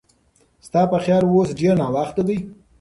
ستا په خیال اوس ډېر ناوخته دی؟